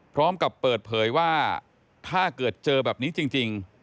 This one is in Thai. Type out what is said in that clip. พร้อมกับเปิดเผยว่าถ้าเกิดเจอแบบนี้จริง